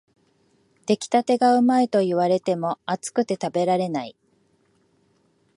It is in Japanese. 出来たてがうまいと言われても、熱くて食べられない